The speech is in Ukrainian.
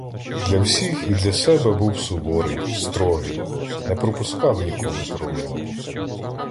Для всіх і для себе був суворий, строгий, не пропускав нікому провини.